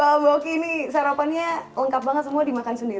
mbak boki ini sarapannya lengkap banget semua dimakan sendiri